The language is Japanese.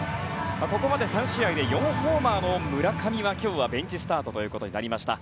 ここまで３試合で４ホーマーの村上は今日はベンチスタートとなりました。